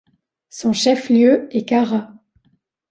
Son chef-lieu est Kara.